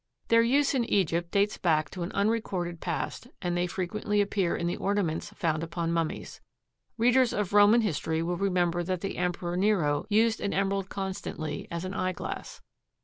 Their use in Egypt dates back to an unrecorded past and they frequently appear in the ornaments found upon mummies. Readers of Roman history will remember that the Emperor Nero used an emerald constantly as an eye glass.